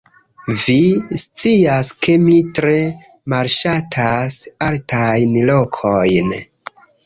Vi scias ke mi tre malŝatas altajn lokojn